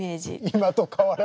今と変わらない。